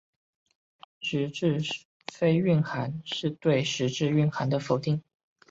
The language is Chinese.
实质非蕴涵是对实质蕴涵的否定。